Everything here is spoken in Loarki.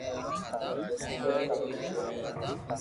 اونکو کولي ديدي ھي